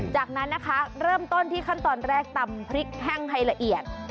จากนั้นนะคะเริ่มต้นที่ขั้นตอนแรกตำพริกแห้งให้ละเอียด